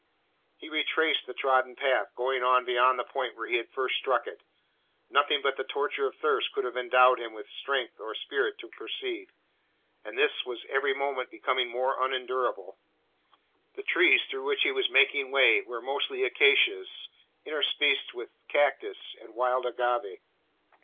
He retraced the trodden path going on beyond the point where he had first struck it. Nothing but the torture of thirst could have endowed him with strength or spirit to proceed. And this was every moment becoming more unendurable. The trees through which he was making way were mostly acacias, interspersed with cactus and wild agave.